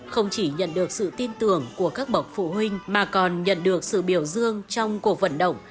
không chỉ nhận được sự tin tưởng của các bậc phụ huynh mà còn nhận được sự biểu dương trong cuộc vận động